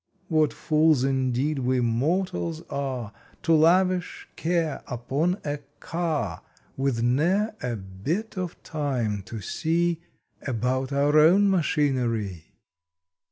What fools indeed we mortals are To lavish care upon a Car, With ne er a bit of time to see About our own machinery!